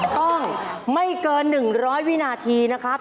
ต้องไม่เกิน๑๐๐วินาทีนะครับ